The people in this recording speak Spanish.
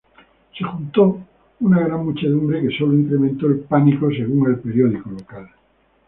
Se juntó una gran muchedumbre que solo incrementó el pánico según el periódico local.